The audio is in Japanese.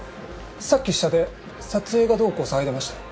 さっき下で撮影がどうこう騒いでましたよ。